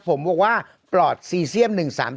ผมบอกว่าปลอดซีเซียม๑๓๗